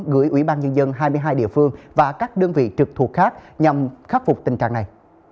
gửi ủy ban nhân dân hai mươi hai địa phương và các đơn vị trực thuộc khác nhằm khắc phục tình trạng này